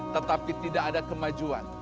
tetapi tidak ada kemajuan